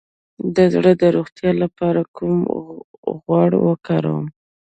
د زړه د روغتیا لپاره کوم غوړ وکاروم؟